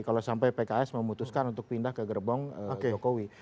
kalau sampai pks memutuskan untuk pindah ke gerbong jokowi